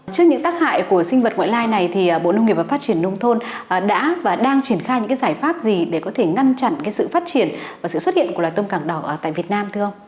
trước những tác hại của sinh vật ngoại lai này thì bộ nông nghiệp và phát triển nông thôn đã và đang triển khai những giải pháp gì để có thể ngăn chặn sự phát triển và sự xuất hiện của loài tôm càng đỏ tại việt nam thưa ông